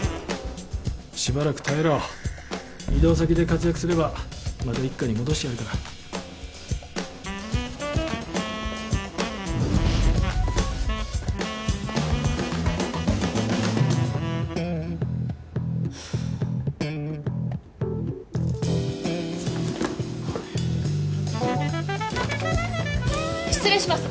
しばらく耐えろ異動先で活躍すればまた一課に戻してやるから失礼します。